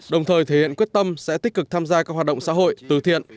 đồng thời thể hiện quyết tâm sẽ tích cực tham gia các hoạt động xã hội từ thiện